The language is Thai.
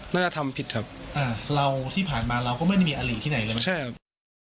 น่าจะทำผิดครับอ่าเราที่ผ่านมาเราก็ไม่ได้มีอลิที่ไหนเลยไม่ใช่ครับ